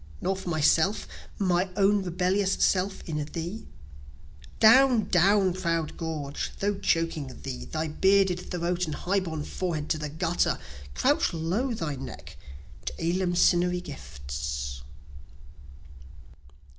Nor for myself my own rebellious self in thee? Down, down, proud gorge! though choking thee; Thy bearded throat and high borne forehead to the gutter; Crouch low thy neck to eleemosynary gifts.